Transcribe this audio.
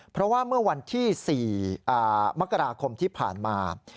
เพราะว่าเมื่อวันที่๔มกราคมที่ผ่านมา